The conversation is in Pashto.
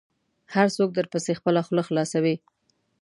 هر څوک درپسې خپله خوله خلاصوي .